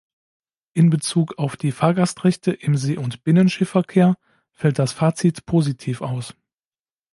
In Bezug auf die Fahrgastrechte im See- und Binnenschiffsverkehr fällt das Fazit positiv aus.